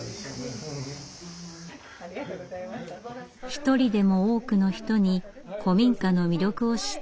一人でも多くの人に古民家の魅力を知ってほしい。